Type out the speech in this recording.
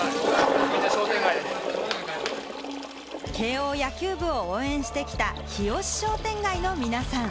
慶應野球部を応援してきた日吉商店街の皆さん。